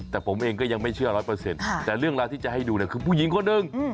แต่ผมเองก็ยังไม่เชื่อ๑๐๐แต่เรื่องราวที่จะให้ดูนี่คือ